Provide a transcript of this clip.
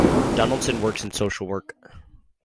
Donaldson works in social work.